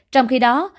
trong khi đó